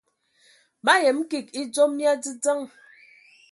Ma yəm kig edzom mia dzədzəŋ.